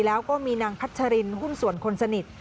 แล้วก็มีนางพัชรินหุ้นส่วนคนสนิท